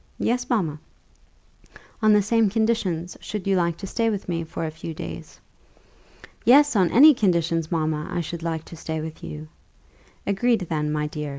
"Yes, mamma." "On the same conditions should you like to stay with me for a few days?" "Yes. On any conditions, mamma, I should like to stay with you." "Agreed, then, my dear!"